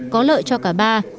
có lợi cho cả ba